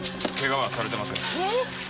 ケガはされてません。